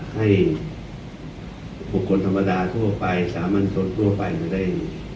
ให้ปกติธรรมดาทั่วไปสามัญตรงทั่วไปมันได้